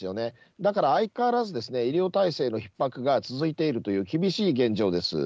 だから相変わらず、医療体制のひっ迫が続いているという、厳しい現状です。